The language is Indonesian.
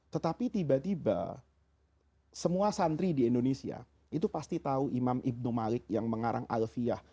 tetapi tiba tiba semua santri di indonesia itu pasti tahu imam ibn malik yang mengarang alfiah